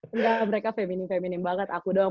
enggak mereka feminim feminim banget aku doang